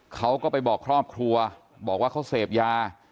เขาก็ไปบอกครอบครัวบอกว่าเขาเสพยา